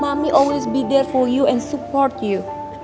mami selalu ada di sana buat kamu dan mendukungmu